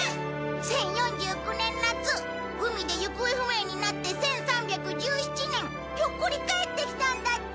１０４９年夏海で行方不明になって１３１７年ひょっこり帰ってきたんだって！